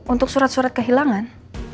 untuk surat surat kehilangan